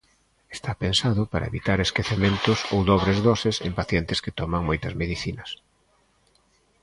Está pensado para evitar esquecementos ou dobres doses en pacientes que toman moitas medicinas.